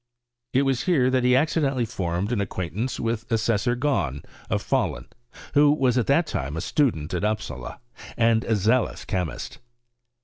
It was here that he accidentally formed an ac quaintance with Assessor Gahn, of Fahlun, who was at that time a student at Upsala, and a zealous chemist.